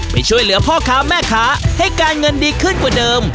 ไปช่วยเหลือพ่อค้าแม่ค้าให้การเงินดีขึ้นกว่าเดิม